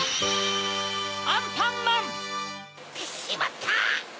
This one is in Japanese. アンパンマン‼しまった！